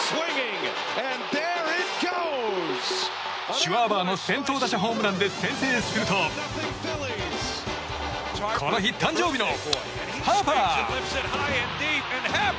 シュワーバーの先頭打者ホームランで先制するとこの日、誕生日のハーパー。